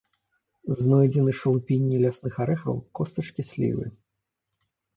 Знойдзены шалупінне лясных арэхаў, костачкі слівы.